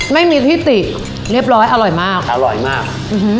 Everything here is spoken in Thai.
ไม่มีที่ติเรียบร้อยอร่อยมากอร่อยมากอืม